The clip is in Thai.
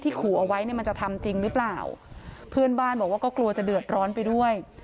ขู่เอาไว้เนี่ยมันจะทำจริงหรือเปล่าเพื่อนบ้านบอกว่าก็กลัวจะเดือดร้อนไปด้วย